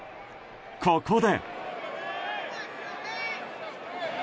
ここで。